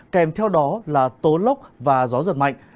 kèm theo đó là tố lốc và gió giật mạnh